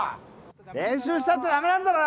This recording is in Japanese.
練習したってダメなんだろ？